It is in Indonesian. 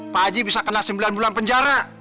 pak haji bisa kena sembilan bulan penjara